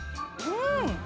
うん！